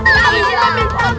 tadi bebek kota